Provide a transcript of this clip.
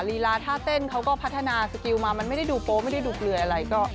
ลีลาท่าเต้นเขาก็พัฒนาสกิลมามันไม่ได้ดูโป๊ะไม่ได้ดุเปลือยอะไร